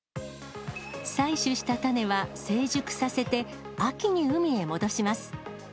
採取した種は成熟させて、秋に海へ戻します。